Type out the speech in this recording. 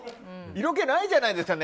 色気ないじゃないですか。